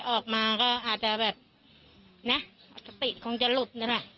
ออกมาก็อาจจะแบบเนมากาติดคงจะหลุดนั่นล่ะ